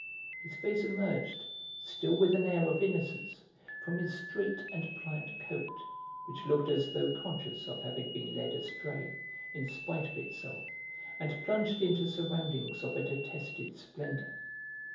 His face emerged, still with an air of innocence, from his straight and pliant coat, which looked as though conscious of having been led astray, in spite of itself, and plunged into surroundings of a detested splendour.